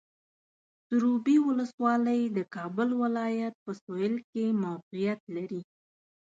سروبي ولسوالۍ د کابل ولایت په سویل کې موقعیت لري.